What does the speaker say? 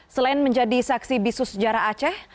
selain menjadi saksi bisu sejarah aceh